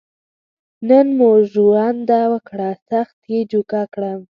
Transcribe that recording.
نن مو ژرنده وکړه سخت یې جوکه کړم.